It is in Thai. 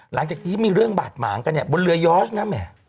หลังจากนี้มีเรื่องบาดหมางกันบริยอทนะไหม